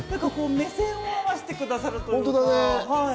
目線を合わせてくださるというか。